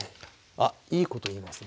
あっいいこと言いますね。